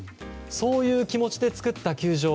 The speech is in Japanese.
そういう気持ちで造った球場。